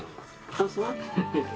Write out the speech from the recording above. あそう？